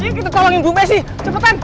ayo kita tolongin bu mesih cepetan